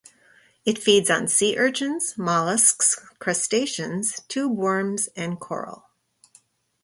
It feeds on sea urchins, molluscs, crustaceans, tube worms and coral.